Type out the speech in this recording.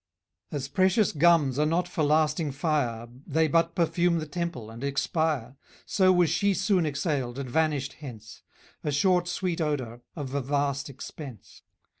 As precious gums are not for lasting fire, They but perfume the temple, and expire; So was she soon exhaled, and vanished hence; A short sweet odour, of a vast expence.